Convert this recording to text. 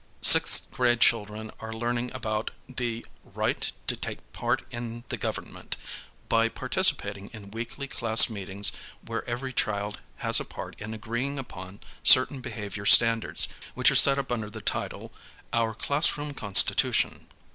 sixth grade children are learning about the "right to take part in the Government" by participating in weekly class meetings where every child has a part in agreeing upon certain be havior standards which are set up under the title, "Our Classroom Constitu tion."